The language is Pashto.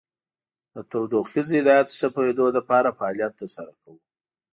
د تودوخیز هدایت ښه پوهیدلو لپاره فعالیت تر سره کوو.